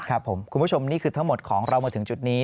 ครับผมคุณผู้ชมนี่คือทั้งหมดของเรามาถึงจุดนี้